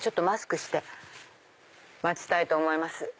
マスクして待ちたいと思います。